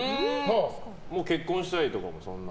もう結婚したとかも、そんな？